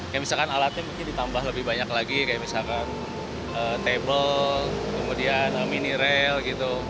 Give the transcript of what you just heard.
kayak misalkan alatnya mungkin ditambah lebih banyak lagi kayak misalkan table kemudian mini rail gitu